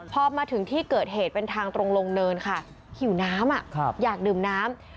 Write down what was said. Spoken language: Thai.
พอมาถึงที่เกิดเหตุเป็นทางตรงลงเนินค่ะหิวน้ำอยากดื่มน้ำ